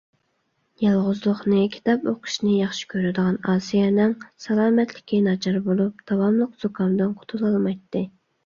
يالغۇزلۇقنى، كىتاب ئوقۇشنى ياخشى كۆرىدىغان ئاسىيەنىڭ سالامەتلىكى ناچار بولۇپ، داۋاملىق زۇكامدىن قۇتۇلالمايتتى.